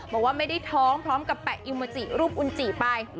บอกว่าไม่ได้ท้องพร้อมกับแปะอิโมจิรูปอุณจิไป